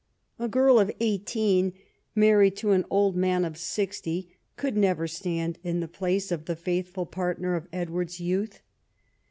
A girl of eighteen married to an old man of sixty could never stand in the place of the faithful partner of Edward's youth.